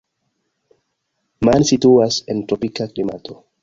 Man situas en tropika klimato.